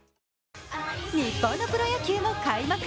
日本のプロ野球も開幕。